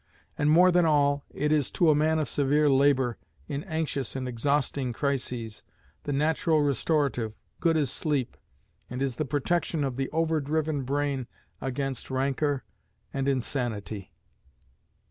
And, more than all, it is to a man of severe labor, in anxious and exhausting crises, the natural restorative, good as sleep, and is the protection of the overdriven brain against rancor and insanity."